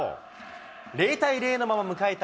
０対０のまま迎えた